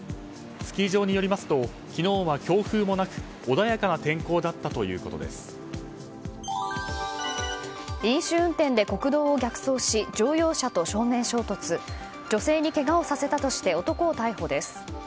スキー場によりますと昨日は強風もなく穏やかな天候だった飲酒運転で国道を逆走し乗用車と正面衝突女性にけがをさせたとして男を逮捕です。